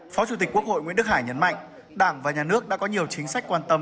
phó chủ tịch quốc hội nguyễn đức hải nhấn mạnh đảng và nhà nước đã có nhiều chính sách quan tâm